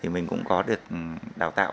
mình cũng có được đào tạo